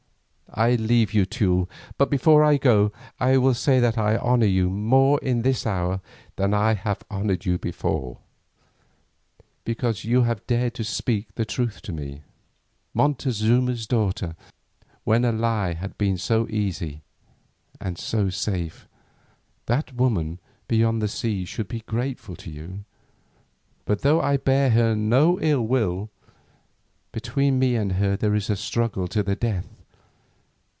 I leave you, Teule, but before I go I will say that I honour you more in this hour than I have honoured you before, because you have dared to speak the truth to me, Montezuma's daughter, when a lie had been so easy and so safe. That woman beyond the seas should be grateful to you, but though I bear her no ill will, between me and her there is a struggle to the death.